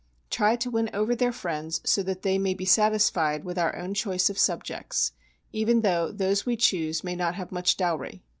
Try to win over their friends so that they may be satisfied with our own choice of subjects, even though those we choose may not have much dowry.